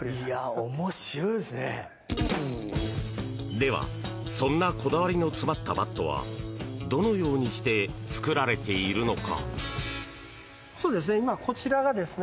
では、そんなこだわりの詰まったバットはどのようにして作られているのか。